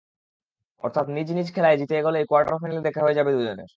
অর্থাৎ নিজ নিজ খেলায় জিতে এগোলেই কোয়ার্টার ফাইনালে দেখা হয়ে যাবে দুজনের।